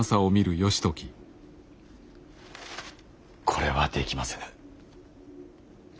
これはできませぬ。